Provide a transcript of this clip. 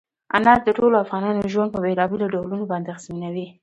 انار د ټولو افغانانو ژوند په بېلابېلو ډولونو باندې اغېزمنوي.